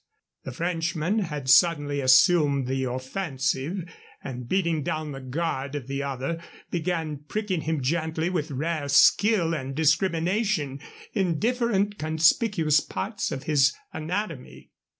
The Frenchman had suddenly assumed the offensive, and, beating down the guard of the other, began pricking him gently, with rare skill and discrimination, in different conspicuous parts of his anatomy.